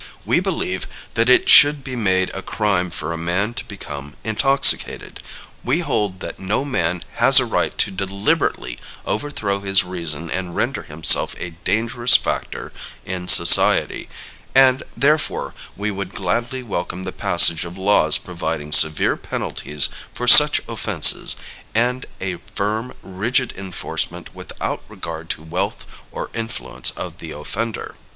We believe that it should be made a crime for a man to become intoxicated. We hold that no man has a right to deliberately overthrow his reason and render himself a dangerous factor in society, and, therefore, we would gladly welcome the passage of laws providing severe penalties for such offenses and a firm, rigid enforcement without regard to wealth or influence of the offender.